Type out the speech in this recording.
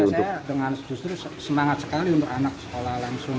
saya dengan justru semangat sekali untuk anak sekolah langsung